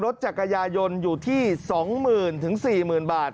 จักรยายนอยู่ที่๒๐๐๐๔๐๐๐บาท